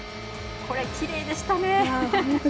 きれいでしたね。